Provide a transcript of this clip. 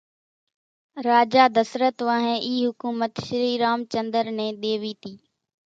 راجا دسرت وانھين اِي حُڪومت شري رام چنۮر نين ۮيوي تي